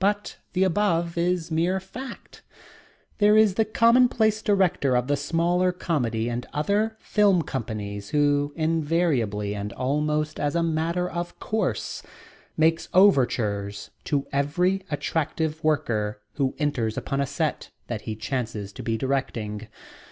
But the above is mere fact. There is the commonplace director of the smaller comedy and other film companies who, invariably and almost as a matter of course, makes overtures to every attractive worker who enters upon a set that he chances to be directing.